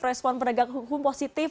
respon penegak hukum positif